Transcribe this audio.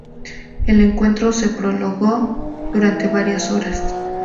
El encuentro se prolongó durante varias horas.